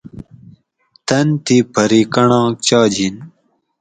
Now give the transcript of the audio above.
تن تھی پھری کنڑاک چاجِن